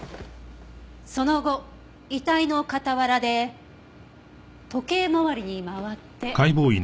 その後遺体の傍らで時計回りに回って。